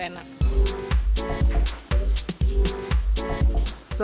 sama tepan itu enak